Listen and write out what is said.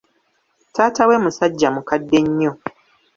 Taata we musajja mukadde nnyo.